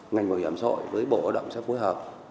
ngành bảo hiểm xã hội với bộ lao động sẽ phối hợp